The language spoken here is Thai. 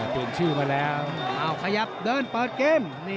เปลี่ยนชื่อมาแล้วขยับเดินเปิดเกม